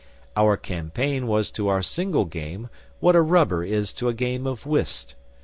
Our campaign was to our single game what a rubber is to a game of whist.